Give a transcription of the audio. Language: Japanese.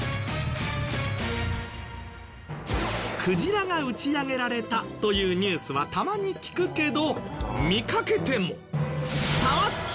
クジラが打ち上げられたというニュースはたまに聞くけど見かけても。